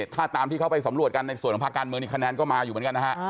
ถ้าตามที่เขาไปสำรวจกันในส่วนของภาคการเมืองนี่คะแนนก็มาอยู่เหมือนกันนะฮะ